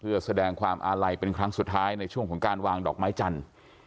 เพื่อแสดงความอาลัยเป็นครั้งสุดท้ายในช่วงของการวางดอกไม้จันทร์